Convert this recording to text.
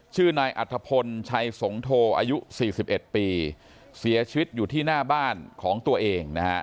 ชื่อนายอัธพลชัยสงโทอายุ๔๑ปีเสียชีวิตอยู่ที่หน้าบ้านของตัวเองนะฮะ